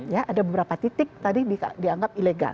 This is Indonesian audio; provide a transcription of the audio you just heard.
ya ada beberapa titik tadi dianggap ilegal